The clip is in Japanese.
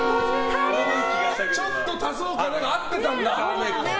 ちょっと足そうかなが合ってたんだ。